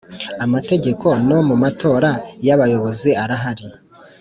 Amategeko no mu matora y Abayobozi arahri